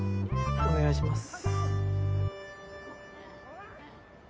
お願いします。